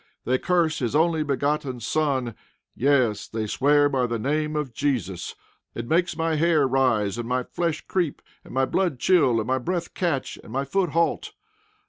They curse his Only Begotten Son. Yes; they swear by the name of Jesus! It makes my hair rise, and my flesh creep, and my blood chill, and my breath catch, and my foot halt.